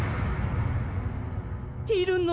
いるの？